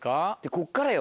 こっからよ